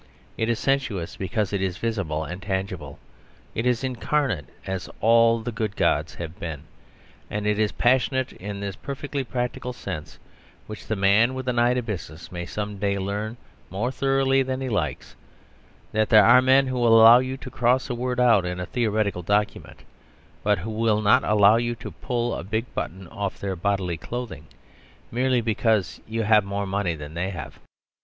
It is sensuous, because it is visible and tangible; it is incarnate, as all the good Gods have been; and it is passionate in this perfectly practical sense, which the man with an eye to business may some day learn more thoroughly than he likes, that there are men who will allow you to cross a word out in a theoretical document, but who will not allow you to pull a big button off their bodily clothing, merely because you have more money than they have.